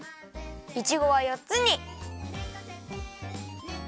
いちごは４つに。